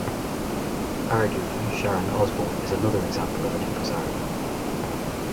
Arguably, Sharon Osborne is another example of an impresario.